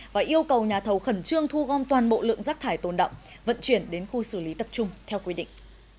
và yêu cầu nhà thầu khẩn trương thu gom toàn bộ lượng rác thải tồn động vận chuyển đến khu xử lý tập trung theo quy định